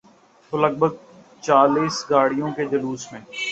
تو لگ بھگ چالیس گاڑیوں کے جلوس میں۔